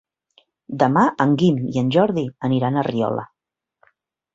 Demà en Guim i en Jordi aniran a Riola.